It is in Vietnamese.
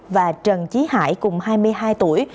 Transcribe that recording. và trần chí hải cùng hai mươi hai tuổi